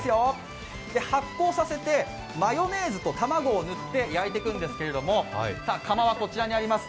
発酵させて、マヨネーズと卵を塗って焼いていくんですが、かまはこちらにあります。